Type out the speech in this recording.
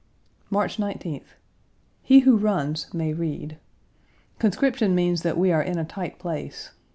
March 19th. He who runs may read. Conscription means that we are in a tight place.